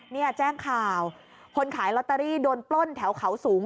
เนี่ยแจ้งข่าวคนขายลอตเตอรี่โดนปล้นแถวเขาสูง